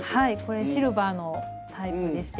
これシルバーのタイプでして。